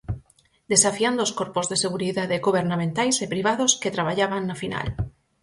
Desafiando os corpos de seguridade gobernamentais e privados que traballaban na final.